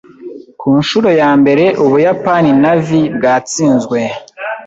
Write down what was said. Ku nshuro ya mbere, Ubuyapani Navy bwatsinzwe.